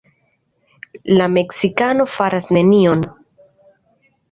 La meksikano faras nenion.